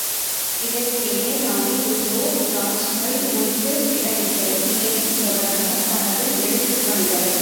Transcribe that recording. இதற்கிடையே ஞானி Leo Tolstoy ஓய்ந்து விடவில்லை, மேலும் தொடர்ந்தார் தனது எழுத்துப் பணிகளை.